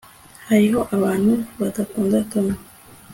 hariho abantu badakunda tom